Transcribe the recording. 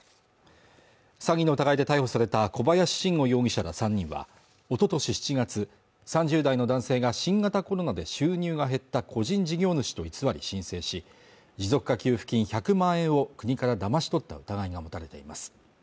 詐欺の疑いで逮捕された小林伸吾容疑者ら３人はおととし７月３０代の男性が新型コロナで収入が減った個人事業主と偽り申請し持続化給付金１００万円を国からだまし取った疑いが持たれています